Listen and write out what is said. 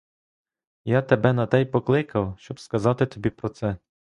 Я тебе на те й покликав, щоб сказати тобі про це.